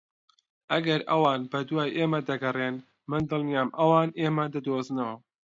ئەگەر ئەوان بەدوای ئێمە دەگەڕێن، من دڵنیام ئەوان ئێمە دەدۆزنەوە.